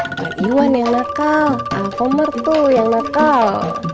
bukan iwan yang nakal a'fomer tuh yang nakal